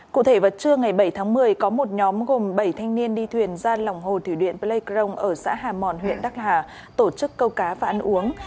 cụ thể vào trưa ngày bảy tháng một mươi có một nhóm gồm bảy thanh niên đi thuyền ra lòng hồ thủy điện pleikrong ở xã hà mòn huyện đắc hà tổ chức câu cá và ăn uống